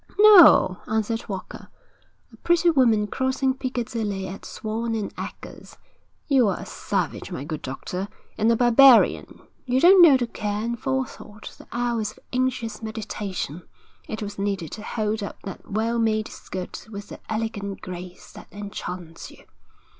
'No,' answered Walker. 'A pretty woman crossing Piccadilly at Swan & Edgar's. You are a savage, my good doctor, and a barbarian; you don't know the care and forethought, the hours of anxious meditation, it has needed to hold up that well made skirt with the elegant grace that enchants you.'